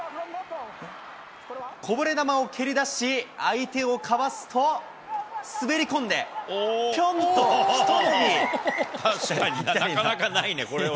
こぼれ球を蹴り出し、相手をかわすと、滑り込んで、なかなかないね、これは。